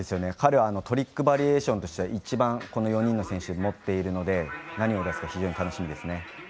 彼はトリックバリエーションとしては一番、この４人の選手の中で持っているので何を出すか楽しみですね。